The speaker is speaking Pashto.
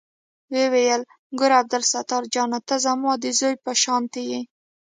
ويې ويل ګوره عبدالستار جانه ته زما د زوى په شانتې يې.